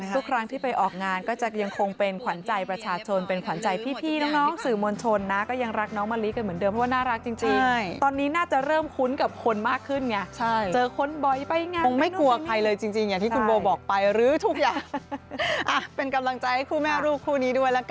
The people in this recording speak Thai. ทุกครั้งที่ไปออกงานก็จะยังคงเป็นขวัญใจประชาชน